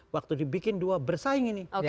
waktu dibikin dua bersaing ini